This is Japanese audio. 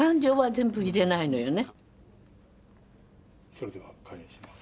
それでは開演します。